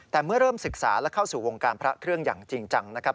แต่เมื่อเริ่มศึกษาและเข้าสู่วงการพระเครื่องอย่างจริงจังนะครับ